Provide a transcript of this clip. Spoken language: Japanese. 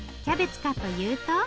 キャベツかというと。